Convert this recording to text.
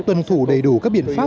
tuân thủ đầy đủ các biện pháp